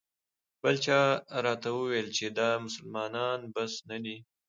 بل چا راته وویل چې دا د مسلمانانو بس نه دی.